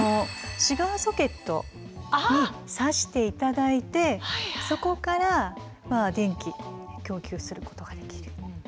シガーソケットにさして頂いてそこから電気供給することができる。